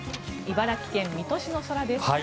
茨城県水戸市の空です。